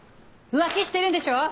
浮気してるんでしょ！？